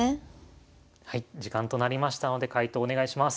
時間となりましたので解答お願いします。